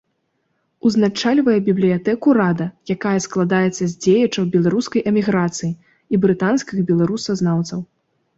Узначальвае бібліятэку рада, якая складаецца з дзеячаў беларускай эміграцыі і брытанскіх беларусазнаўцаў.